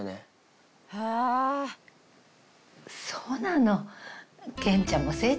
そうなの。